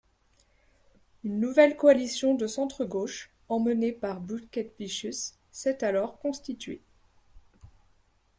Une nouvelle coalition de centre-gauche, emmenée par Butkevičius, s'est alors constituée.